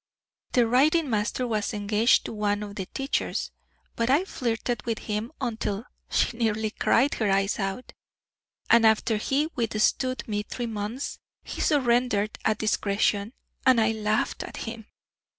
The writing master was engaged to one of the teachers; but I flirted with him until she nearly cried her eyes out; and after he withstood me three months he surrendered at discretion, and I laughed at him.